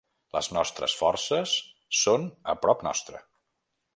Les nostres forces són a prop nostre.